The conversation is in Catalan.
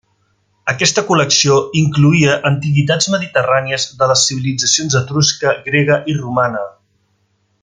Aquesta col·lecció incloïa antiguitats mediterrànies de les civilitzacions etrusca, grega i romana.